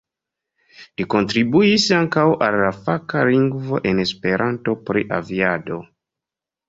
Li kontribuis ankaŭ al la faka lingvo en Esperanto pri aviado.